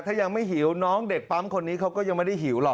ถ้ายังไม่หิวน้องเด็กปั๊มคนนี้เขาก็ยังไม่ได้หิวหรอก